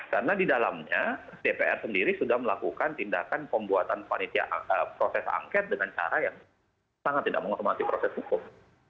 karena di dalamnya dpr sendiri sudah melakukan tindakan pembuatan vanitia proses angket dengan cara yang sangat tidak menghormati proses hukum